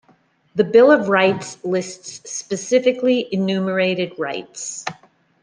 The Bill of Rights lists specifically enumerated rights.